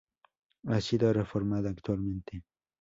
Ha sido reformada actualmente.